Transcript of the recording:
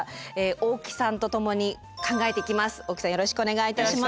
大木さんよろしくお願いいたします。